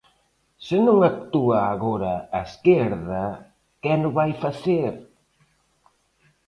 Se non actúa agora a esquerda, quen o vai facer?